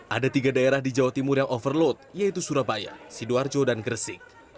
ada tiga daerah di jawa timur yang overload yaitu surabaya sidoarjo dan gresik